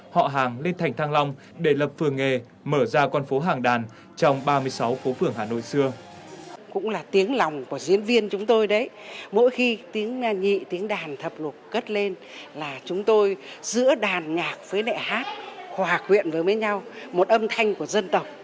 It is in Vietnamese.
hòa quyện với mấy nhau một âm thanh của dân tộc